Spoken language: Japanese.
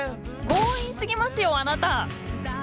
強引すぎますよあなた！